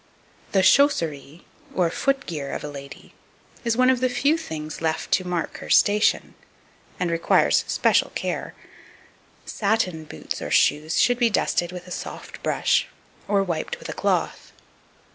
2245. The Chausserie, or foot gear of a lady, is one of the few things left to mark her station, and requires special care. Satin boots or shoes should be dusted with a soft brush, or wiped with a cloth.